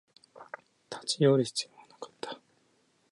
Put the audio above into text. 立ち寄る必要はなかった